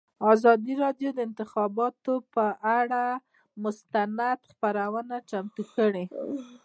ازادي راډیو د د انتخاباتو بهیر پر اړه مستند خپرونه چمتو کړې.